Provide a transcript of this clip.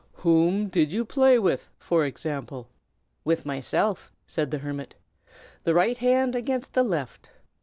Whom did you play with, for example?" "With myself," said the hermit, "the right hand against the left.